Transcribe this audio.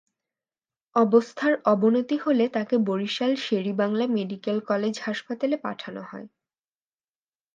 অবস্থার অবনতি হলে তাঁকে বরিশাল শের-ই-বাংলা মেডিকেল কলেজ হাসপাতালে পাঠানো হয়।